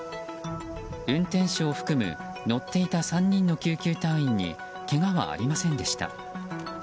運転手を含む乗っていた３人の救急隊員にけがはありませんでした。